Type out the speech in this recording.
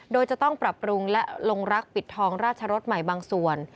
โดยจะต้องปรับปรุงและลงรักปิดทองราชรสใหม่บางส่วน